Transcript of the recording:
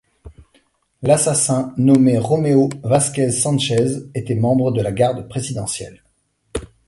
L’assassin, nommé Romeo Vásquez Sánchez, était membre de la garde présidentielle.